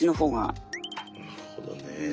なるほどね。